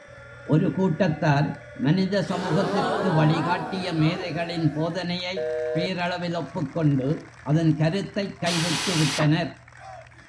ஒரு கூட்டத்தார், மனித சமூகத்திற்கு வழிகாட்டிய மேதைகளின் போதனையைப் பெயரளவில் ஒப்புக் கொண்டு, அதன் கருத்தைக் கைவிட்டு விட்டனர்.